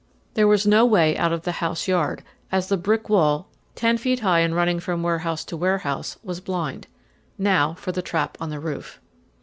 There was no way out of the house yard, as the brick wall, ten feet high and running from warehouse to warehouse, was blind. Now for the trap on the roof.